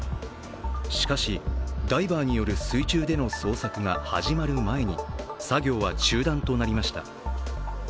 しかし、ダイバーによる水中での捜索が始まる前に作業は中断となりました。